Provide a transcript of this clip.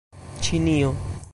Ĉinio